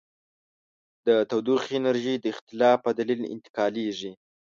د تودوخې انرژي د اختلاف په دلیل انتقالیږي.